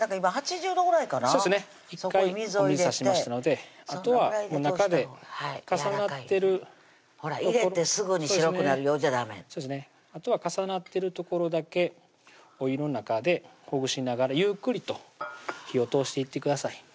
そうですね１回お水差しましたのであとは中で重なってるほら入れてすぐに白くなるようじゃダメあとは重なってる所だけお湯の中でほぐしながらゆっくりと火を通していってください